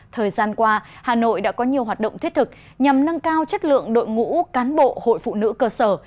thời gian qua hà nội đã có nhiều hoạt động thiết thực nhằm nâng cao chất lượng đội ngũ cán bộ hội phụ nữ cơ sở